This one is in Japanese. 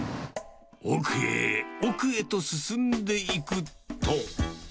奥へ奥へと進んでいくと。